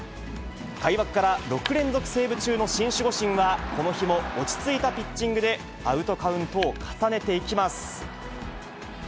開幕から６連続セーブ中の新守護神はこの日も落ち着いたピッチングで、アウトカウントを重ねていきます。